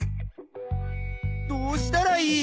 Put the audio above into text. どうしたらいい？